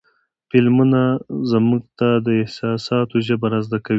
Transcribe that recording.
فلمونه موږ ته د احساساتو ژبه را زده کوي.